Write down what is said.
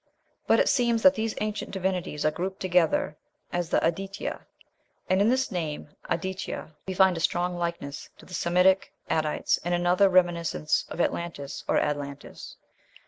But it seems that these ancient divinities are grouped together as "the Aditya;" and in this name "Ad itya" we find a strong likeness to the Semitic "Adites," and another reminiscence of Atlantis, or Adlantis.